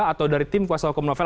atau dari tim kuasa hukum novel